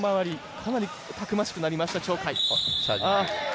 かなりたくましくなりました鳥海。